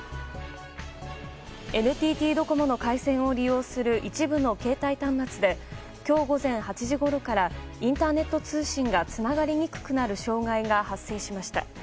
ＮＴＴドコモの回線を利用する一部の携帯端末で今日午前８時ごろからインターネット通信がつながりにくくなる障害が発生しました。